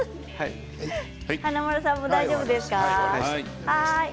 華丸さんも大丈夫ですね。